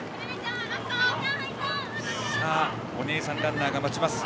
お姉さんランナーが待ちます。